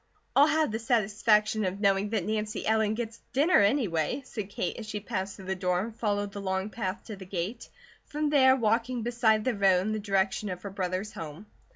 "I'll have the satisfaction of knowing that Nancy Ellen gets dinner, anyway," said Kate as she passed through the door and followed the long path to the gate, from there walking beside the road in the direction of her brother's home.